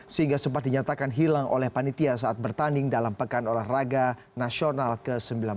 sehingga sempat dinyatakan hilang oleh panitia saat bertanding dalam pekan olahraga nasional ke sembilan belas